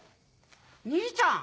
兄ちゃん！